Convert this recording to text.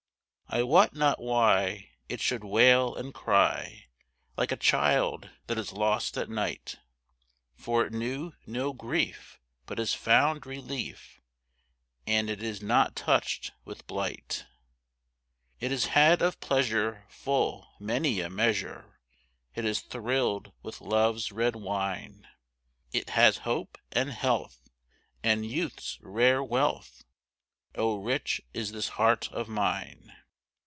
I wot not why, it should wail and cry Like a child that is lost at night, For it knew no grief, but has found relief, And it is not touched with blight. It has had of pleasure full many a measure; It has thrilled with love's red wine; It has hope and health, and youth's rare wealth Oh rich is this heart of mine.